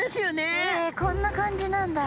えこんな感じなんだ。